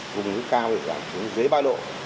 hùng núi cao thì giảm xuống dưới ba độ